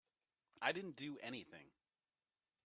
I didn't do anything.